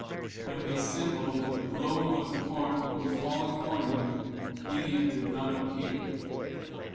When we assembled, at the blowing of the horn, on the following morning, Lydia did not appear.